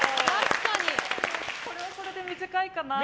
これはこれで短いかなって。